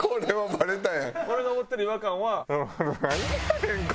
俺が思ってる違和感は。